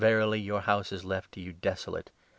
Verily your House is left to you desolate